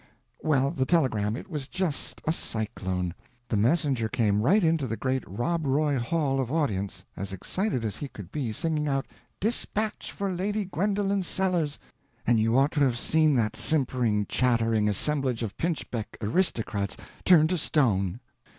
Well, the telegram, it was just a cyclone! The messenger came right into the great Rob Roy Hall of Audience, as excited as he could be, singing out, "Dispatch for Lady Gwendolen Sellers!" and you ought to have seen that simpering chattering assemblage of pinchbeck aristocrats, turn to stone!